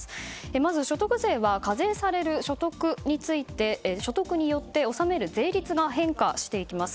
まず、所得税は課税される所得によって納める税率が変化していきます。